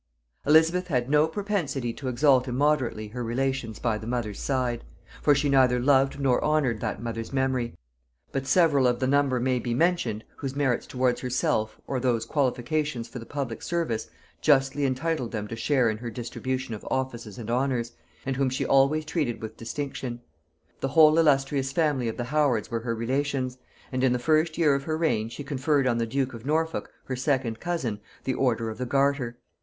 Elizabeth had no propensity to exalt immoderately her relations by the mother's side; for she neither loved nor honored that mother's memory; but several of the number may be mentioned, whose merits towards herself, or whose qualifications for the public service, justly entitled them to share in her distribution of offices and honors, and whom she always treated with distinction. The whole illustrious family of the Howards were her relations; and in the first year of her reign she conferred on the duke of Norfolk, her second cousin, the order of the garter.